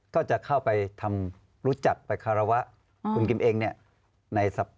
ก็จะเข้าไปทำรู้จักไปคารวะคุณกิมเองเนี่ย